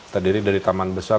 terdiri dari taman besar